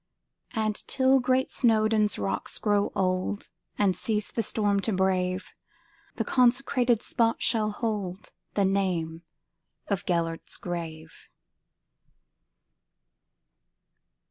And, till great Snowdon's rocks grow old, And cease the storm to brave, The consecrated spot shall holdThe name of "Gêlert's Grave."